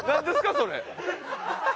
それ。